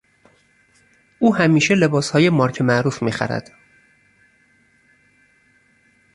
او همیشه لباسهای مارک معروف میخرد.